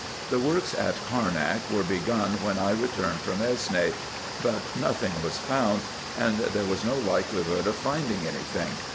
The works in Carnak were begun when I returned from Esne, but nothing was found, and there was no likelihood of finding any thing.